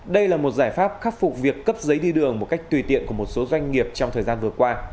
đây là một giải pháp khắc phục việc cấp giấy đi đường một cách tùy tiện của một số doanh nghiệp trong thời gian vừa qua